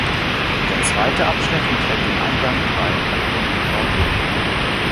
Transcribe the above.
Der zweite Abschnitt enthält den Eingang über einen halbrunden Torturm.